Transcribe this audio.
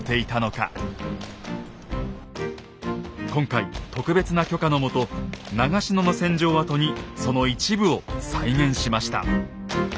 今回特別な許可のもと長篠の戦場跡にその一部を再現しました。